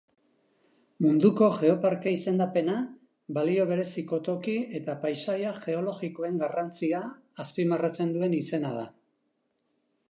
Munduko Geoparke izendapena balio bereziko toki eta paisaia geologikoen garrantzia azpimarratzen duen izena da.